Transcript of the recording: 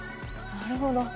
なるほど。